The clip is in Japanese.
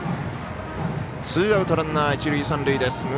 ツーアウトランナー、一塁三塁です。